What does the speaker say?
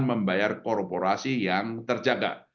membayar korporasi yang terjaga